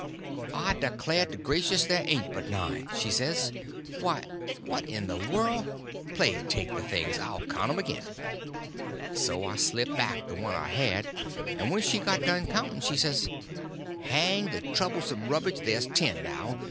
"I declare to gracious ther' ain't but nine!" she says. "Why, what in the world—plague take the things, I'll count 'm again." So I slipped back the one I had, and when she got done counting, she says: "Hang the troublesome rubbage, ther's ten now!"